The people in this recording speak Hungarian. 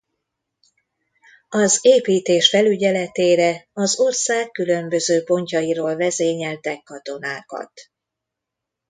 Az építés felügyeletére az ország különböző pontjairól vezényeltek katonákat.